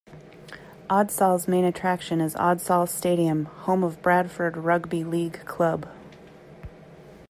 Odsal's main attraction is Odsal Stadium, home of Bradford rugby league club.